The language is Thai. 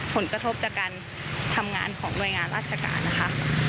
ผลกระทบจากการทำงานของหน่วยงานราชการนะคะ